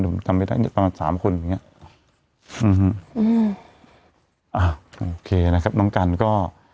ผมจำไม่ได้เนี้ยประมาณสามคนอย่างเงี้ยอืมอืมอ่าโอเคนะครับน้องกันก็